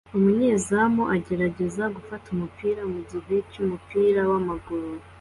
Umunyezamu agerageza gufata umupira mugihe cyumupira wamaguru